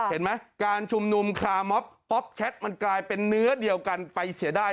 เห็นไหมการชุมนุมคาร์มอบป๊อปแคทมันกลายเป็นเนื้อเดียวกันไปเสียดาย